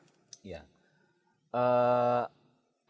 ada satu ranu yang berisi air